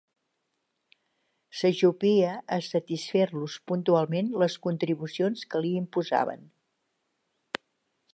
S'ajupia a satisfer-los puntualment les contribucions que li imposaven.